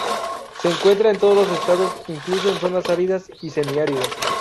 Se encuentran en todos los estados, incluso en zonas áridas y semiáridas.